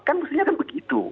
kan mestinya kan begitu